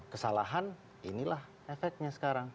kesalahan inilah efeknya sekarang